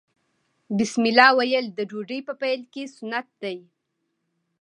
بسم الله ویل د ډوډۍ په پیل کې سنت دي.